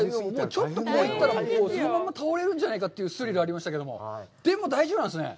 ちょっと行ったら、そのまま倒れるんじゃないかというスリルがありましたけど、でも、大丈夫なんですね。